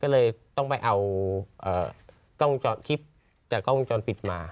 ก็เลยต้องไปเอาคลิปจากกล้องโครงจรปิดมา